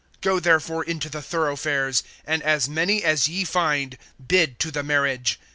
(9)Go therefore into the thoroughfares, and as many as ye find, bid to the marriage.